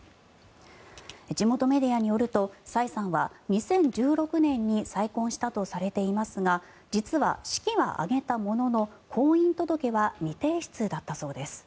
地元メディアによるとサイさんは２０１６年に再婚したとされていますが実は、式は挙げたものの婚姻届は未提出だったそうです。